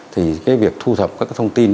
thì cái việc thu thập các thông tin